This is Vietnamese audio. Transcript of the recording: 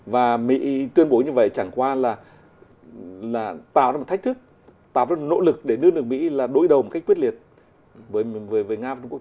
và mỹ tuyên bố như vậy chẳng qua là tạo ra một thách thức tạo ra nỗ lực để đưa nước mỹ là đối đầu một cách quyết liệt với việt nam trung quốc